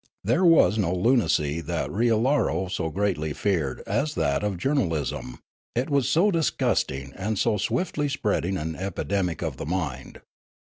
There was no lunacy that Riallaro so greatly feared as that of journalism, it was so disgusting and so swiftly spreading an epidemic of the mind.